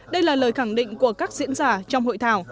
đây là lời khẳng định của các diễn giả trong hội thảo